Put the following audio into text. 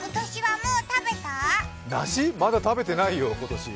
まだ食べてないよ。